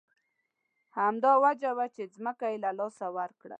همدا وجه وه چې ځمکه یې له لاسه ورکړه.